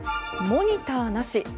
モニターなし